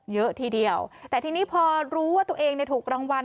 เยอะทีเดียวแต่ทีนี้พอรู้ว่าตัวเองเนี่ยถูกรางวัล